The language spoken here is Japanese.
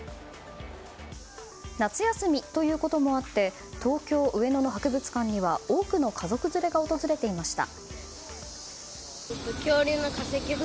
夏休みということもあって東京・上野の博物館には多くの家族連れが訪れていました。